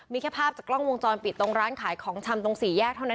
มีแค่ภาพจากกล้องวงจรปิดตรงร้านขายของชำตรงสี่แยกเท่านั้น